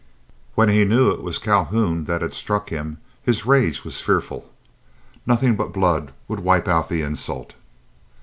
When he knew it was Calhoun that had struck him, his rage was fearful. Nothing but blood would wipe out the insult.